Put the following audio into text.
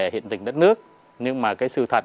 hiện tình đất nước nhưng mà cái sự thật